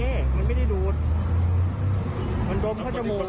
ให้น้องฉี่อีกรอบหนึ่งได้ไหมพ่อ